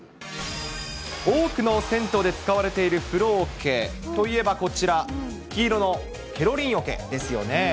多くの銭湯で使われている風呂おけといえばこちら、黄色のケロリンおけですよね。